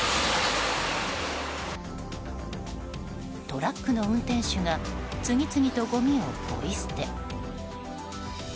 トラックの運転手が次々と、ごみをポイ捨て。